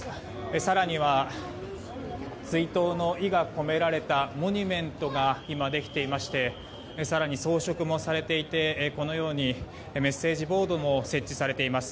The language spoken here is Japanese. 更には、追悼の意が込められたモニュメントが今、できていまして更に装飾もされていてこのようにメッセージボードも設置されています。